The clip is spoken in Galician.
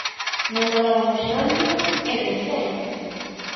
Non dobraron o xeonllo e venceron.